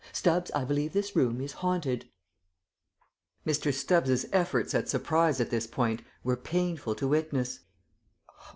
Stubbs, I believe this room is haunted!" Mr. Stubbs's efforts at surprise at this point were painful to witness.